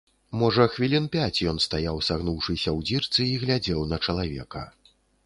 Можа хвілін пяць ён стаяў, сагнуўшыся ў дзірцы, і глядзеў на чалавека.